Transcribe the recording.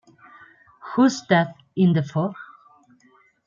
Who's That in The Fog?